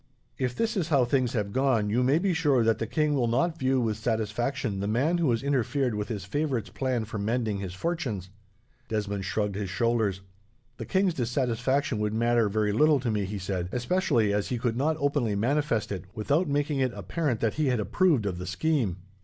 "If this is how things have gone, you may be sure that the king will not view, with satisfaction, the man who has interfered with his favourite's plan for mending his fortunes." Desmond shrugged his shoulders. "The king's dissatisfaction would matter very little to me," he said, "especially as he could not openly manifest it, without making it apparent that he had approved of the scheme."